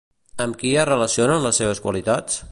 Amb qui es relacionen les seves qualitats?